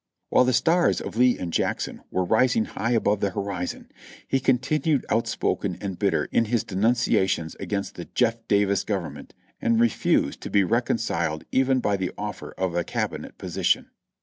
While the stars of Lee and Jackson were rising high above the horizon, he continued outspoken and bitter in his denunciations against the "J^^ Davis Government," and refused to be concil iated even by the offer of a Cabinet position.